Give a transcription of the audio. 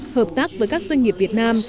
hợp tác với các doanh nghiệp việt nam